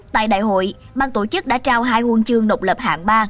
tại đại hội ban tổ chức đã trao hai huân chương độc lập hạng ba